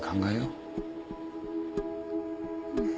うん。